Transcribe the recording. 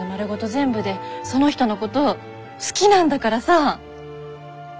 全部でその人のこと好きなんだからさ！